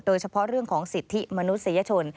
โดยเฉพาะเรื่องของสิทธิมนุษยชน